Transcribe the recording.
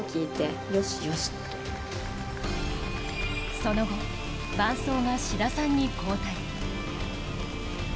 その後、伴走が志田さんに交代。